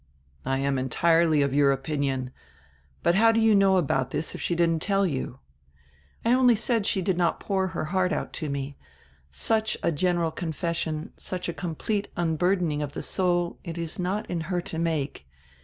"I am entirely of your opinion. But how do you know about this if she didn't tell you? " "I only said she did not pour out her heart to me. Such a general confession, such a complete unburdening of the soul, it is not in her to make.